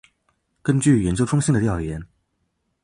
根据研究中心的调研